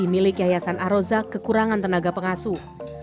milik yayasan aroza kekurangan tenaga pengasuh